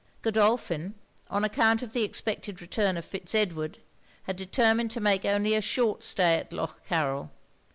Godolphin, on account of the expected return of Fitz Edward, had determined to make only a short stay at Lough Carryl.